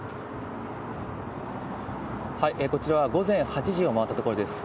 こちらは午前８時を回ったところです。